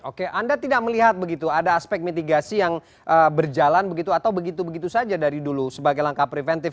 oke anda tidak melihat begitu ada aspek mitigasi yang berjalan begitu atau begitu begitu saja dari dulu sebagai langkah preventif